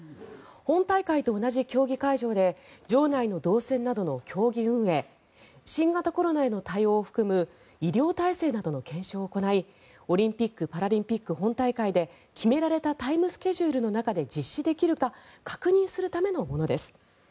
本大会と同じ競技会場で場内の動線などの競技運営新型コロナへの対応を含む医療体制などの検証を行いオリンピック・パラリンピック本大会で決められたタイムスケジュールの中で実施できるか確認するためのものです。